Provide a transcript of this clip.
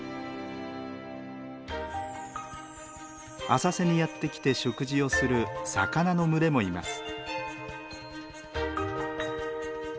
浅瀬にやって来て食事をする魚の群れもいます。